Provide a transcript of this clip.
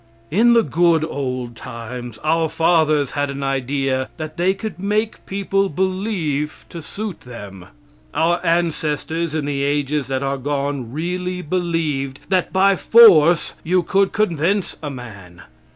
In the good old times, our fathers had an idea that they could make people believe to suit them. Our ancestors in the ages that are gone really believed that by force you could convince a man.